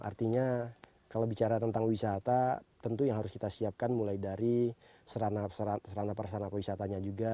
artinya kalau bicara tentang wisata tentu yang harus kita siapkan mulai dari serana perasarana kewisatanya juga